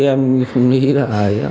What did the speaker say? em không nghĩ là